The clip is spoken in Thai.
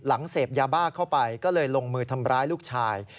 เสพยาบ้าเข้าไปก็เลยลงมือทำร้ายลูกชาย